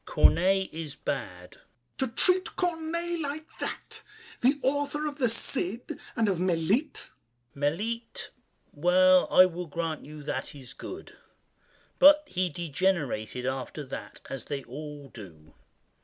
VILLAC. Corneille is bad! MONTPESAT. To treat Corneille like that— The author of "The Cid" and of "Melite." VILLAC. "Melite"? Well, I will grant you that is good; But he degenerated after that, As they all do.